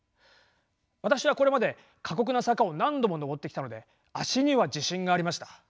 私はこれまで過酷な坂を何度も上ってきたので足には自信がありました。